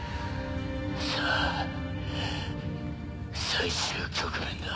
さぁ最終局面だ。